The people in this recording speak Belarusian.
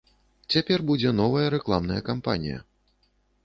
Цяпер будзе новая рэкламная кампанія.